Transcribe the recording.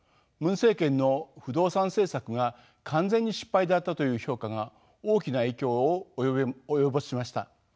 ムン政権の不動産政策が完全に失敗だったという評価が大きな影響を及ぼしました。